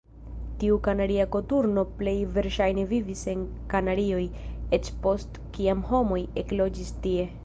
Tiu Kanaria koturno plej verŝajne vivis en Kanarioj eĉ post kiam homoj ekloĝis tie.